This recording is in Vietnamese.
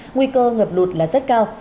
nguy cơ ngập lụt là rất cao